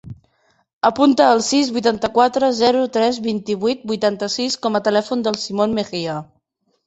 Apunta el sis, vuitanta-quatre, zero, tres, vint-i-vuit, vuitanta-sis com a telèfon del Simon Mejia.